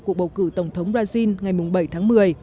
cuộc bầu cử tổng thống brazil ngày bảy tháng một mươi